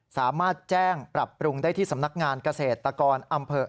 สามารถแจ้งปรับปรุงได้ที่สำนักงานเกษตรกรอำเภอ